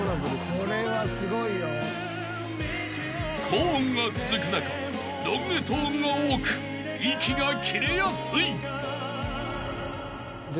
［高音が続く中ロングトーンが多く息が切れやすい］